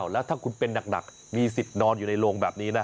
แล้วถ้าคุณเป็นหนักมีสิทธิ์นอนอยู่ในโรงแบบนี้นะ